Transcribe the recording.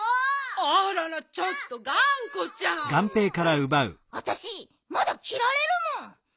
あららちょっとがんこちゃん！あたしまだきられるもん！